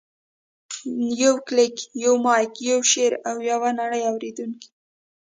یو کلیک، یو مایک، یو شعر، او یوه نړۍ اورېدونکي.